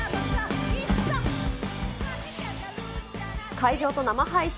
会場と生配信